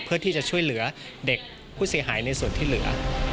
เพื่อที่จะช่วยเหลือเด็กผู้เสียหายในส่วนที่เหลือ